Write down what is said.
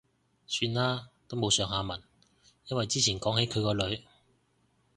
算喇，都冇下文。因為之前講起佢個女